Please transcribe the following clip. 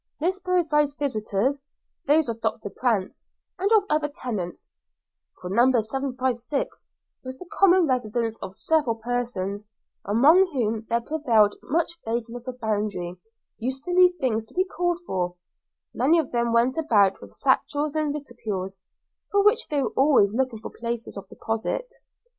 Miss Birdseye's visitors, those of Doctor Prance, and of other tenants for Number 756 was the common residence of several persons, among whom there prevailed much vagueness of boundary used to leave things to be called for; many of them went about with satchels and reticules, for which they were always looking for places of deposit.